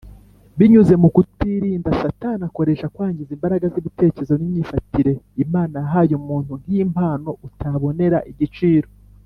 . Binyuze mu kutirinda, Satani akoresha kwangiza imbaraga z’ibitekerezo n’imyifatire Imana yahaye umuntu nk’impano utabonera igiciro